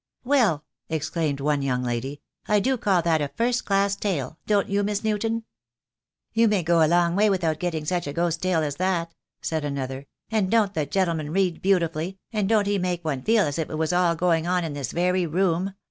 "Well," exclaimed one young lady, "I do call that a first class tale, don't you, Miss Newton?" "You may go a long way without getting such a ghost tale as that," said another; "and don't the gentleman read beautifully, and don't he make one feel as if it was all going on in this very room?